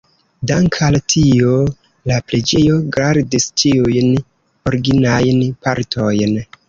Dank' al tio la preĝejo gardis ĉiujn originajn partojn.